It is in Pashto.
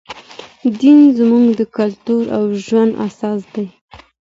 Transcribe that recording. دین زموږ د کلتور او ژوند اساس دی.